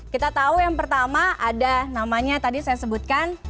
kita tahu yang pertama ada namanya tadi saya sebutkan